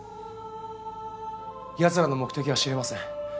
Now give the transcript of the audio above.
奴らの目的は知りません。